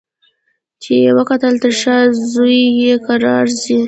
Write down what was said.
چي یې وکتل تر شا زوی یې کرار ځي